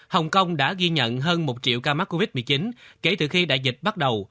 hồng kông đã ghi nhận hơn một triệu ca mắc covid một mươi chín kể từ khi đại dịch bắt đầu